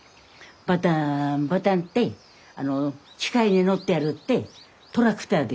バターンバターンって機械に乗ってあるってトラクターで。